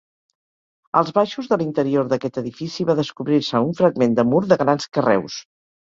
Als baixos de l'interior d'aquest edifici va descobrir-se un fragment de mur de grans carreus.